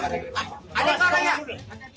ada yang kalahnya